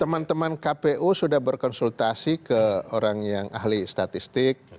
teman teman kpu sudah berkonsultasi ke orang yang ahli statistik